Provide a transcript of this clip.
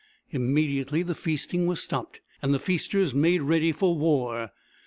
Immediately the feasting was stopped, and the feasters made ready for war.